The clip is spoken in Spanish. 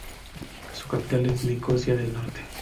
Su capital es Nicosia del Norte.